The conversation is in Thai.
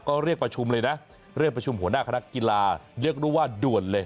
ก็เรียกประชุมเลยนะเรียกประชุมหัวหน้าคณะกีฬาเรียกได้ว่าด่วนเลย